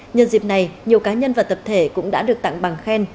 nhân dịp này nhiều cá nhân và tập thể cũng đã được tặng bằng khen